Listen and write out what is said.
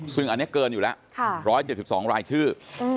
ซึ่งอันนี้เกินอยู่แล้ว๑๗๒รายชื่อ